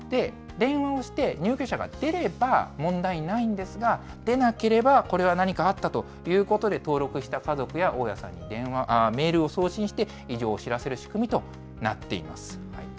電話をして、入居者が出れば問題ないんですが、出なければ、これは何かあったということで、登録した家族や大家さんにメールを送信して、異常を知らせる仕組みとなっています。